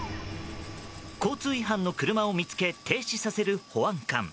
交通違反の車を見つけ停止させる保安官。